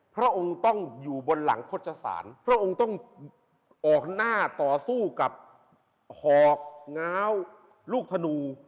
พระอุงต้องออกหน้าต่อสู้กับหอกง้าวลูกธนู